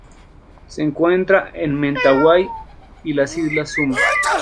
Se encuentra en Mentawai y las islas Sumba.